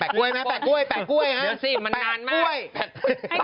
แปลกกล้วยมั้ยแปลกกล้วยแปลกกล้วยในซิมันนานมาก